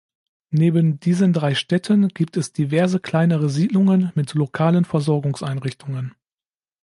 Neben diesen drei Städten gibt es diverse kleinere Siedlungen mit lokalen Versorgungseinrichtungen.